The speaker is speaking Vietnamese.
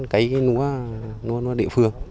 cái cái lúa lúa địa phương